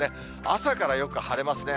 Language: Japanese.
朝からよく晴れますね。